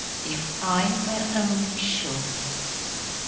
IF I WERE ONLY SURE.